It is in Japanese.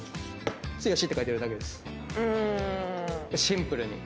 シンプルに。